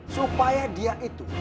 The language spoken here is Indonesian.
supaya dia itu